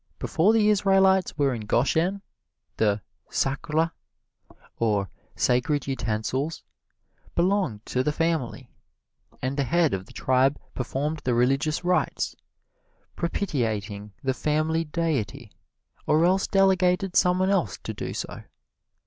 Before the Israelites were in Goshen, the "sacra," or sacred utensils, belonged to the family; and the head of the tribe performed the religious rites, propitiating the family deity, or else delegated some one else to do so.